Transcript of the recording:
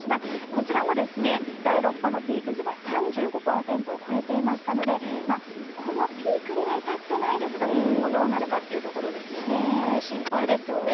こちらも、第６波のピーク時は３５％を超えていましたのでこのピークには至っていないんですが心配ですよね。